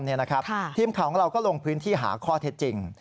ไหนนะครับทีมของเราก็ลงพื้นที่หาข้อเท็จจริง